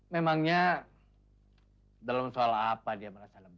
memangnya dalam soal apa dia merasa lebih bu